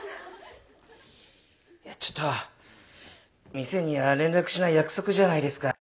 いやちょっと店には連絡しない約束じゃないですか。